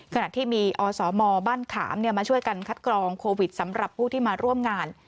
ขณะที่มีอสมบ้านขามมาช่วยกันคัดกรองโควิดสำหรับผู้ที่มาร่วมงาน